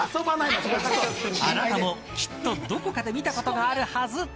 あなたもきっとどこかで見たことがあるはず。